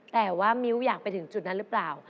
แต่ว่ามิ้วอยากไปถึงจุดนั้นหรือเปล่า